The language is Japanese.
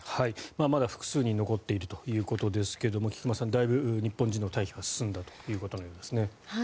まだ複数人残っているということですが菊間さん、だいぶ日本人の退避が進んだということのようですね。